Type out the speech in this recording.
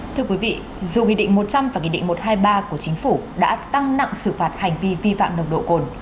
thưa quý vị dù nghị định một trăm linh và nghị định một trăm hai mươi ba của chính phủ đã tăng nặng xử phạt hành vi vi phạm nồng độ cồn